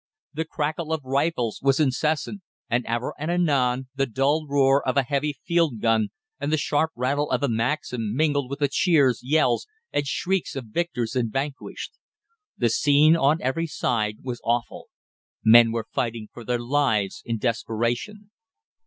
The crackle of rifles was incessant, and ever and anon the dull roar of a heavy field gun and the sharp rattle of a Maxim mingled with the cheers, yells, and shrieks of victors and vanquished. The scene on every side was awful. Men were fighting for their lives in desperation.